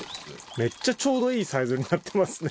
めっちゃちょうどいいサイズになってますね。